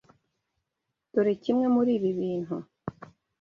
Dore Kimwe muri ibi bintu.